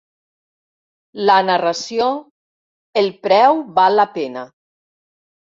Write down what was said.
La narració ""...el preu val la pena.